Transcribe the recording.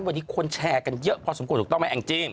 วันนี้คนแชร์กันเยอะพอสมควรถูกต้องไหมแองจี้